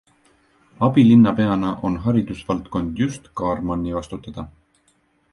Abilinnapeana on haridusvaldkond just Kaarmanni vastutada.